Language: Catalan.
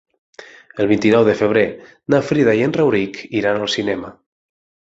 El vint-i-nou de febrer na Frida i en Rauric iran al cinema.